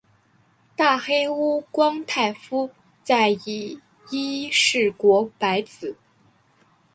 大黑屋光太夫在以伊势国白子。